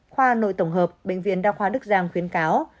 khoa nội tổng hợp bệnh viện đa khoa đức giang khuyến cáo